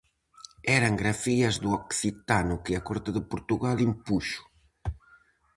Eran grafías do occitano que a corte de Portugal impuxo.